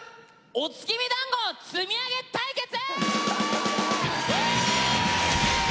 「お月見だんご積み上げ対決」！